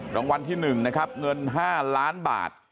รางวัลที่๑นะครับเงิน๕ล้านบาท